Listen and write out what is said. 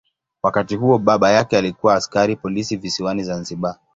Wakati huo baba yake alikuwa askari polisi visiwani Zanzibar.